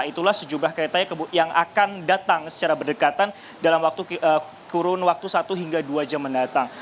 itulah sejumlah kereta yang akan datang secara berdekatan dalam kurun waktu satu hingga dua jam mendatang